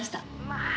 「まあ！